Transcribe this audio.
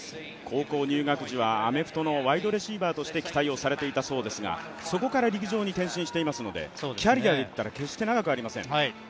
高校入学時はアメフトのワイドレシーバーとして期待されていたそうですがそこから陸上に転身していますので、キャリアでいったら決して長くはありません。